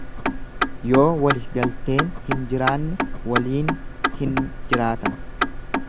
Yoo wali galteen hin jiraanne waliin hin jiraatan.